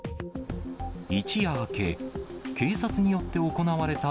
一夜明け、警察によって行われた